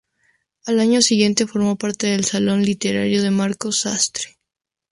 Al año siguiente formó parte del Salón Literario de Marcos Sastre.